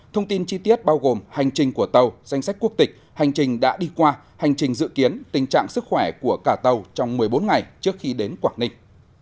thông tin chi tiết bao gồm hành trình của tàu danh sách quốc tịch hành trình đã đi qua hành trình dự kiến tình trạng sức khỏe của cả tàu trong một mươi bốn ngày trước khi đến quảng ninh